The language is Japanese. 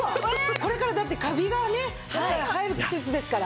これからだってカビがね生える季節ですから。